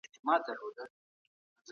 ایا مسلکي بڼوال کاغذي بادام اخلي؟